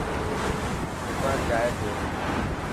دڪان جائي پيو.